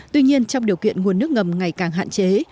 tuy nhiên trong điều kiện nguồn nước ngầm ngày càng hạn chế